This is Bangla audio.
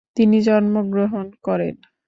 তিনি জন্মগ্রহণ করেন।